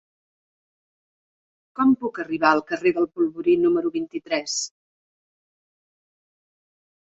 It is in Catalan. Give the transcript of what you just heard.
Com puc arribar al carrer del Polvorí número vint-i-tres?